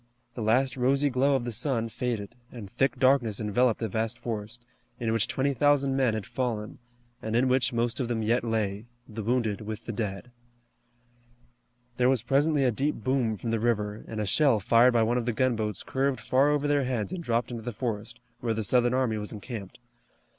The last rosy glow of the sun faded, and thick darkness enveloped the vast forest, in which twenty thousand men had fallen, and in which most of them yet lay, the wounded with the dead. There was presently a deep boom from the river, and a shell fired by one of the gunboats curved far over their heads and dropped into the forest, where the Southern army was encamped.